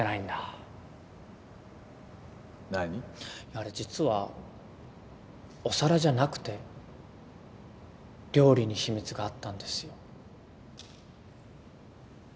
あれ実はお皿じゃなくて料理に秘密があったんですよ。